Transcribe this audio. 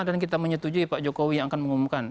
dan kita menyetujui pak jokowi yang akan mengumumkan